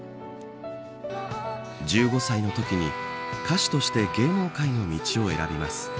１５歳のときに歌手として芸能界の道を選びます。